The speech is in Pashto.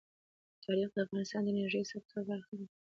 تاریخ د افغانستان د انرژۍ سکتور برخه ده.